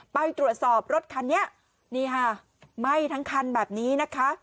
ไปตรวจสอบรถคันนี้นี่ค่ะไหม้ทั้งคันแบบนี้นะคะ